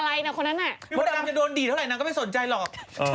หมดดำจะโดนดีดเท่าไหร่น้าง็ไม่สนใจหรอก